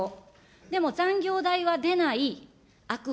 でも残業代は出ない、悪法、